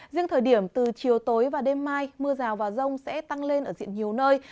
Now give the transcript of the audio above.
riêng thời điểm từ chiều tối và đêm mai mưa rào và rông sẽ tăng lên ở diện nhiều nơi